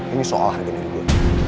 ini soal harganya gue